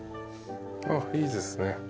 あっいいですね。